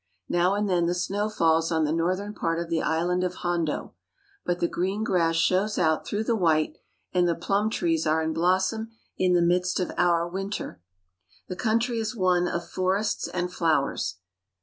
Now and then the snow falls on the northern part of the island of Hondo ; but the green grass shows out through the white, and the plum trees are in blossom in the midst of our winter. The country is one of forests and flowers.